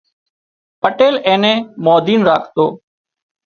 پٽيل اين نين ٻانڌين راکتو